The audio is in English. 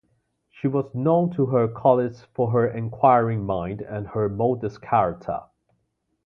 She was known to her colleagues for her enquiring mind and her modest character.